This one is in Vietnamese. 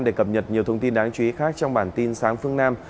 để cập nhật nhiều thông tin đáng chú ý khác trong bản tin sáng phương nam